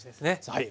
はい。